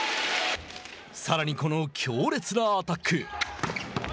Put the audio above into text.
さらにこの強烈なアタック。